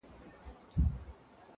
پخوا به سترګه سوځېدله د بابا له ږیري٫